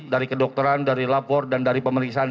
dari kedokteran dari lapor dan dari pemeriksaan